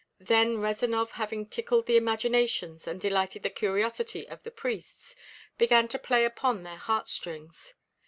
Then Rezanov having tickled the imaginations and delighted the curiosity of the priests, began to play upon their heartstrings.